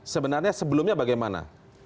sebenarnya sebelumnya bagaimana